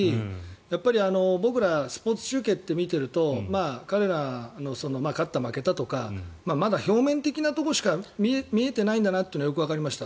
やっぱり僕らはスポーツ中継を見ていると彼らの勝った、負けたとかまだ表面的なところしか見えていないんだなっていうところはよくわかりました。